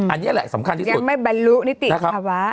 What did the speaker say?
อันนี้แหละสำคัญที่แรกคุณไม่บรรลุนิติภาวะ